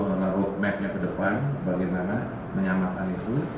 menurut mapnya ke depan bagaimana menyamakan itu